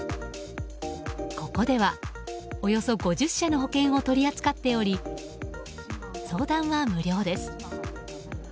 ここではおよそ５０社の保険を取り扱っており相談は無料です。